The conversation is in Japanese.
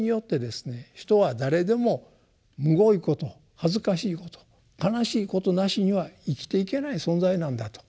人は誰でもむごいこと恥ずかしいこと悲しいことなしには生きていけない存在なんだと。